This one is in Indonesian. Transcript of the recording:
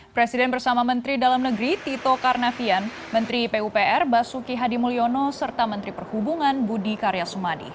presiden bersama menteri dalam negeri tito karnavian menteri pupr basuki hadimulyono serta menteri perhubungan budi karya sumadi